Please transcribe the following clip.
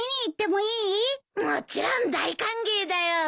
もちろん大歓迎だよ。